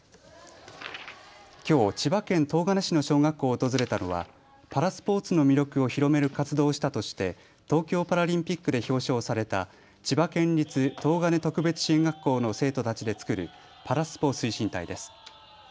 きょう千葉県東金市の小学校を訪れたのはパラスポーツの魅力を広める活動をしたとして東京パラリンピックで表彰された千葉県立東金特別支援学校の生徒たちで作るパラスポ推進隊です。